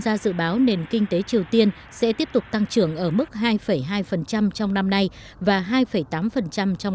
gia dự báo nền kinh tế triều tiên sẽ tiếp tục tăng trưởng ở mức hai hai trong năm nay và hai tám trong